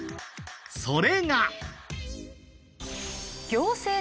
それが。